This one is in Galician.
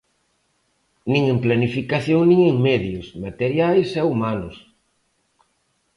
Nin en planificación nin en medios, materiais e humanos.